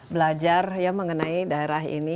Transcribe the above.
belajar ya mengenai daerah ini